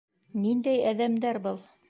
Ниндәй әҙәмдер был!